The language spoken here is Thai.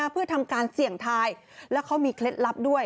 เพื่อทำการเสี่ยงทายแล้วเขามีเคล็ดลับด้วย